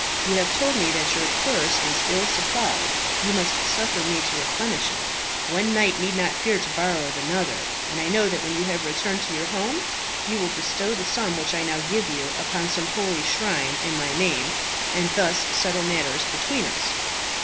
You have told me that your purse is ill supplied; you must suffer me to replenish it. One knight need not fear to borrow of another; and I know that when you have returned to your home, you will bestow the sum which I now give you upon some holy shrine in my name, and thus settle matters between us."